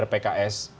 ada pak amin di sana